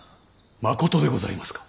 まことでございますか。